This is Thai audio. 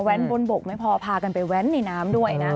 บนบกไม่พอพากันไปแว้นในน้ำด้วยนะ